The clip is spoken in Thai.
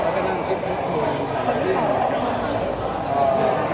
แล้วก็นั่งคิดชุดทุนกับหลายที่